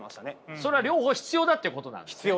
それは両方必要だっていうことなんですね？